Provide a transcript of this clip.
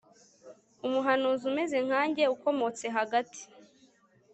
umuhanuzi umeze nkanjye ukomotse hagati